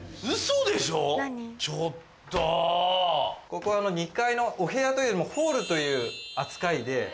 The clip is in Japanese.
ここ２階のお部屋というよりもホールという扱いで。